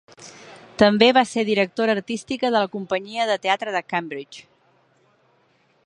També va ser directora artística de la companyia de teatre de Cambridge.